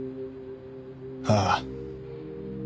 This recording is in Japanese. ああ。